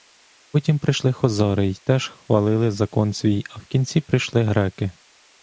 Потім прийшли хозари й теж хвалили закон свій, а вкінці прийшли греки.